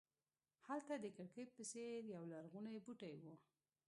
هلته د کړکۍ په څېر یولرغونی بوټی و.